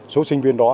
số sinh viên đó